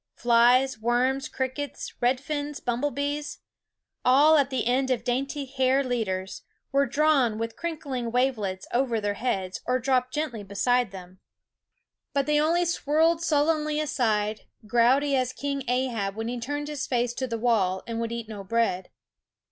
Flies, worms, crickets, redfins, bumblebees, all at the end of dainty hair leaders, were drawn with crinkling wavelets over their heads or dropped gently beside them; but 117 9 SCHOOL OF they only swirled sullenly aside, grouty as King Ahab when he turned his face to the wall and would eat no bread.